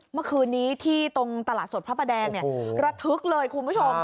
เมื่อคืนนี้ที่ตรงตลาดสดพระประแดงระทึกเลยคุณผู้ชม